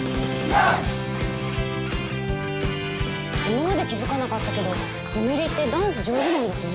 今まで気付かなかったけどゆめ莉ってダンス上手なんですね